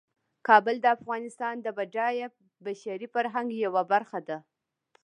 کابل د افغانستان د بډایه بشري فرهنګ یوه برخه ده.